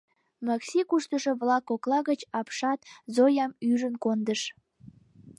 Макси куштышо-влак кокла гыч апшат Зоям ӱжын кондыш.